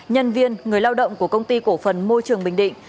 nhân viên người lao động của công ty cổ phần môi trường bình định